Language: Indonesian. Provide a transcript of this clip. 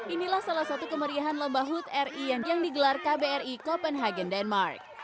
inilah salah satu kemeriahan lomba hood ri yang digelar kbri copenhagen denmark